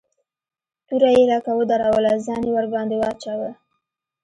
توره يې لکه ودروله ځان يې ورباندې واچاوه.